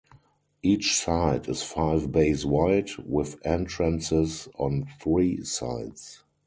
Each side is five bays wide, with entrances on three sides.